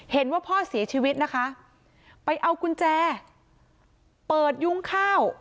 เห็นว่าพ่อเสียชีวิตนะคะไปเอากุญแจเปิดยุ้งข้าว